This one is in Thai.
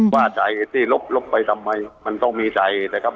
ว่าสายเอสที่ลบไปทำไมมันต้องมีสายเอสนะครับ